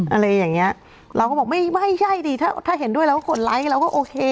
อะไรอย่างเงี้ยเราก็บอกไม่ไม่ใช่ดิถ้าถ้าเห็นด้วยเราก็กดไลค์เราก็โอเค